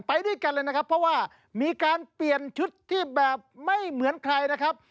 ไปด้วยกันเลยนะครับเพราะว่ามีการเปลี่ยนชุดที่แบบไม่เหมือนใครนะครับ